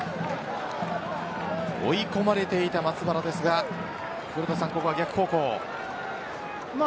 追い込まれていた松原ですが古田さん、ここは逆方向。